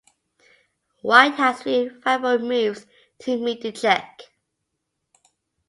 White has three viable moves to meet the check.